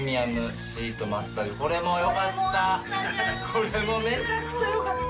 これもめちゃくちゃ良かった。